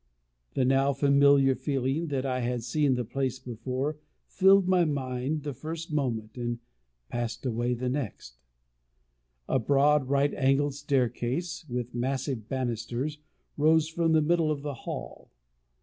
The now familiar feeling, that I had seen the place before, filled my mind the first moment, and passed away the next. A broad, right angled staircase, with massive banisters, rose from the middle of the hall.